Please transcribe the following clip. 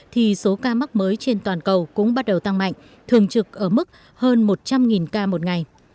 thì số ca mắc mới trên toàn cầu cũng bắt đầu tăng mạnh thường trực ở mức hơn một trăm linh ca một ngày